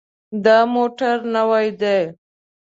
دا موټر نوی دی.